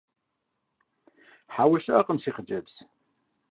Хьэуэ, щыӏэкъым, си хъыджэбз.